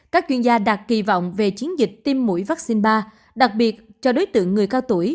các chuyên gia đặt kỳ vọng về chiến dịch tiêm mũi vaccine ba đặc biệt cho đối tượng người cao tuổi